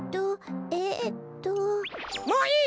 もういい！